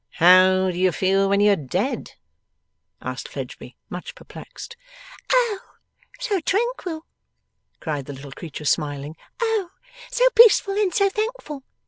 'How do you feel when you are dead?' asked Fledgeby, much perplexed. 'Oh, so tranquil!' cried the little creature, smiling. 'Oh, so peaceful and so thankful!